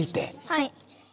はい。